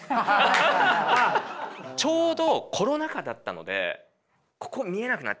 ちょうどコロナ禍だったのでここ見えなくなっちゃう。